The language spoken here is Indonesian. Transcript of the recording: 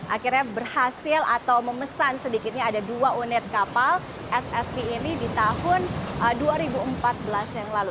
akhirnya berhasil atau memesan sedikitnya ada dua unit kapal ssv ini di tahun dua ribu empat belas yang lalu